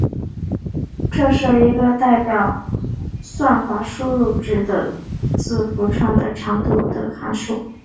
这是一个代表算法输入值的字符串的长度的函数。